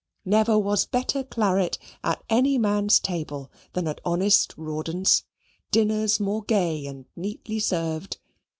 Never was better claret at any man's table than at honest Rawdon's; dinners more gay and neatly served.